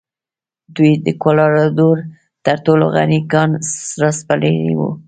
دوی د کولراډو تر ټولو غني کان راسپړلی و.